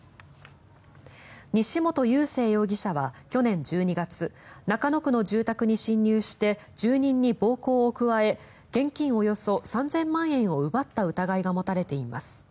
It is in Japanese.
西本佑聖容疑者は去年１２月中野区の住宅に侵入して住人に暴行を加え現金およそ３０００万円を奪った疑いが持たれています。